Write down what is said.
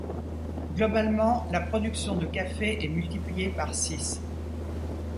Globalement, la production de café est multipliée par six.